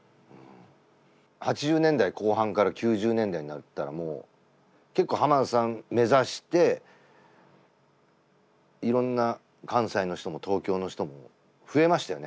８０年代後半から９０年代になったらもう結構浜田さん目指していろんな関西の人も東京の人も増えましたよね